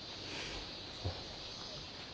うん。